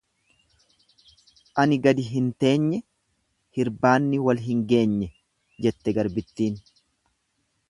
"An gadi hin teenye hirbaanni wal hin geenye"" jette garbittiin."